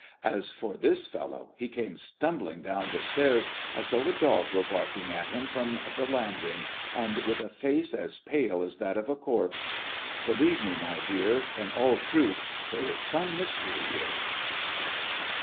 As for this fellow, he came stumbling down the stairs as though a dog were barking at him from the landing, and with a face as pale as that of a corpse. Believe me, my dear, in all truth, there is some mystery here."